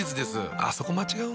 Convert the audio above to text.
あっそこ間違うんだ。